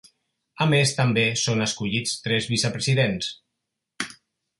A més també són escollits tres vicepresidents.